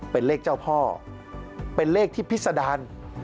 เป็นเลขเจ้าพ่อเป็นเลขที่พิษดาร